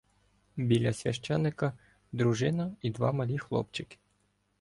Біля священика — дружина і два малі хлопчики.